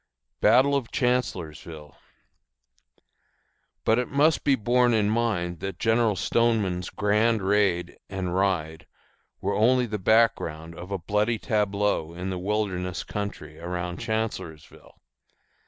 BATTLE OF CHANCELLORSVILLE. But it must be borne in mind that General Stoneman's grand raid and ride were only the background of a bloody tableau in the wilderness country around Chancellorsville.